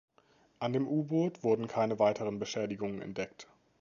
An dem U-Boot wurden keine weiteren Beschädigungen entdeckt.